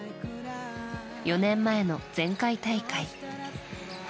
４年前の前回大会。